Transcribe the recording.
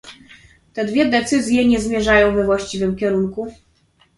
Te dwie decyzje nie zmierzają we właściwym kierunku